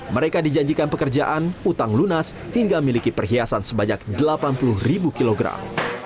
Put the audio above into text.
mereka dijanjikan pekerjaan utang lunas hingga miliki perhiasan sebanyak delapan puluh ribu kilogram